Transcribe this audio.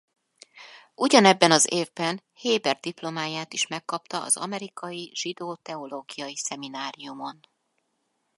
Ugyanebben az évben héber diplomáját is megkapta az Amerikai Zsidó Teológiai Szemináriumon.